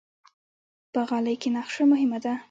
په غالۍ کې نقشه مهمه ده.